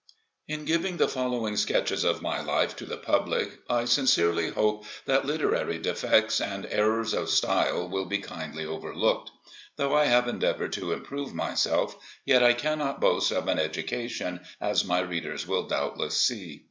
IN giving the following sketches of my life to the public, I sincerely hope that literary defects, and errors of style, will be kindly overlooked. Though I have endeavored to improve myself, yet I cannot boast of an education, as my readers will doubtless see.